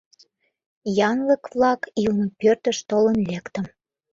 Янлык-влак илыме пӧртыш толын лектым.